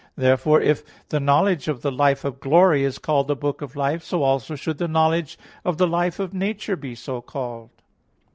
Therefore, if the knowledge of the life of glory is called the book of life; so also should the knowledge of the life of nature be so called.